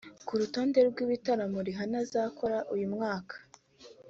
Ku rutonde rw’ibitaramo Rihanna azakora uyu mwaka